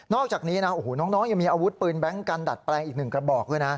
นอกจากนี้น้องยังมีอาวุธปืนแบงก์กันดัดแปลงอีกหนึ่งกระบอก